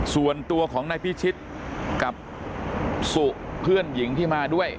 ส่วนตัวของนายพิชิตกับสุเพื่อนหญิงที่มาด้วย